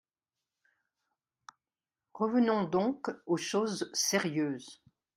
Revenons donc aux choses sérieuses.